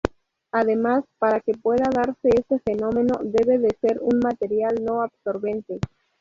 Además, para que pueda darse este fenómeno debe de ser un material no absorbente.